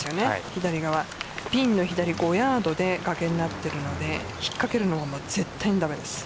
左側ピンの左５ヤードでがけになっているので引っかけるのは絶対にだめです。